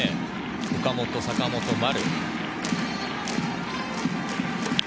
岡本、坂本、丸。